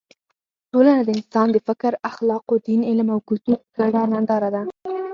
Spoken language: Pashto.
ټولنه د انسان د فکر، اخلاقو، دین، علم او کلتور ګډه ننداره ده.